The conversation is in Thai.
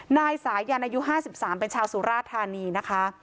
นายสายันอายุ๕๓เป็นชาวสุราธานีนะคะ